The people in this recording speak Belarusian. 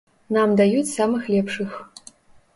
Нам даюць самых лепшых.